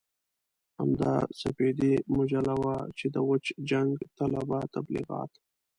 همدا سپېدې مجله وه چې د وچ جنګ طلبه تبليغات.